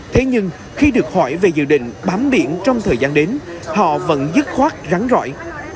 thế nhưng khi được hỏi về dự định bám biển trong thời gian đến họ vẫn dứt khoát rắn dõi